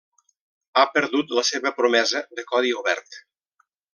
Ha perdut la seva promesa de codi obert.